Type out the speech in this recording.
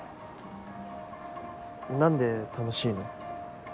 何で楽しいの？